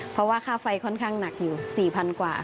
เพราะว่าค่าไฟค่อนข้างหนักอยู่๔๐๐๐กว่า